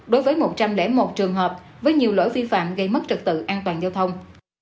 đối với một trăm linh một trường hợp với nhiều lỗi vi phạm gây mất trật tự an toàn giao thông